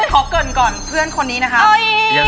ขอเกิดก่อนเพื่อนคนนี้นะคะ